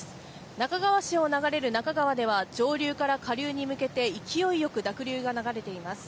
那珂川市を流れる那珂川では上流から下流に向けて勢いよく濁流が流れています。